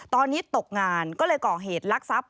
ตอนนี้ตกงานก็เลยก่อเหตุลักษัพ